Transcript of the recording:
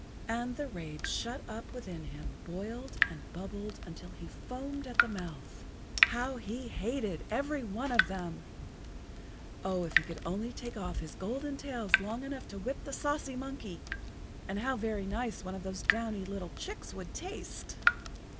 And the rage shut up within him boiled and bubbled until he foamed at the mouth. How he hated every one of them! Oh, if he could only take off his golden tails long enough to whip the saucy monkey! And how very nice one of those downy little chicks would taste!